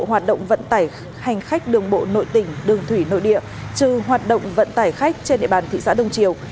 hoạt động vận tải hành khách đường bộ nội tỉnh đường thủy nội địa trừ hoạt động vận tải khách trên địa bàn thị xã đông triều